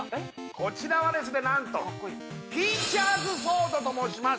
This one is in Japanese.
こちらはですね何とティーチャーズソードと申します